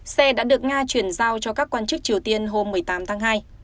xe đã được nga chuyển giao cho các quan chức triều tiên hôm một mươi tám tháng hai